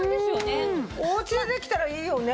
お家でできたらいいよね。